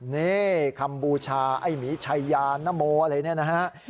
นี่คำบูชาไอ้หมีชัยยานนโมอะไรเนี่ยนะฮะ